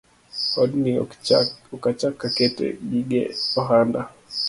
Odni ok achak akete gige ohanda